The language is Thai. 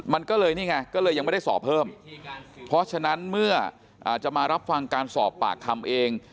มันก็เลยนี่ไงก็เลยยังไม่ได้สอบเพิ่มเพราะฉะนั้นเมื่อจะมารับฟังการสอบปากคำเอง